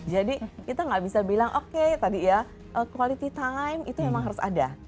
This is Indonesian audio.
jadi kita nggak bisa bilang oke tadi ya quality time itu memang harus ada